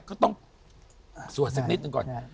ก็ต้องสวดสักนิดหนึ่งก่อน